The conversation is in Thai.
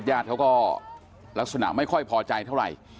ญาติเขาก็ลักษณะไม่ค่อยพอใจเท่าไหร่